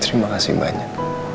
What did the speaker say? terima kasih banyak